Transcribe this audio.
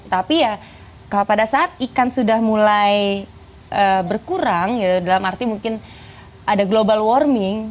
tapi ya pada saat ikan sudah mulai berkurang ya dalam arti mungkin ada global warming